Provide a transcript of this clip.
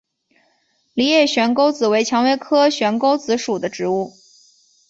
梨叶悬钩子为蔷薇科悬钩子属的植物。